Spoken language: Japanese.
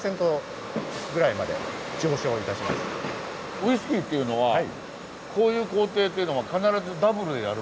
ウイスキーっていうのはこういう行程っていうのは必ずダブルでやるもんなんですか？